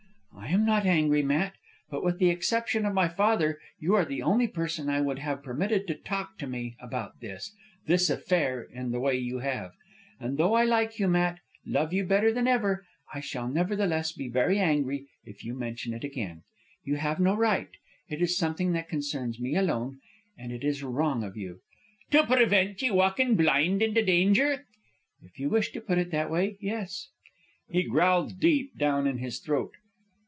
"I am not angry, Matt. But with the exception of my father you are the only person I would have permitted to talk to me about this this affair in the way you have. And though I like you, Matt, love you better than ever, I shall nevertheless be very angry if you mention it again. You have no right. It is something that concerns me alone. And it is wrong of you " "To prevint ye walkin' blind into danger?" "If you wish to put it that way, yes." He growled deep down in his throat.